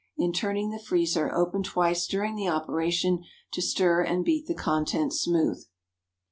In turning the freezer, open twice during the operation, to stir and beat the contents smooth.